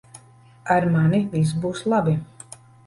Ar mani viss būs labi.